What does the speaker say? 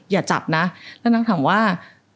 อย่าจับนะแล้วนางถามว่า